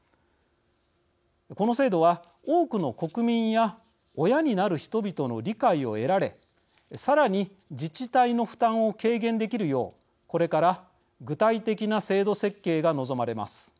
この制度は多くの国民や親になる人々の理解を得られさらに自治体の負担を軽減できるようこれから具体的な制度設計が望まれます。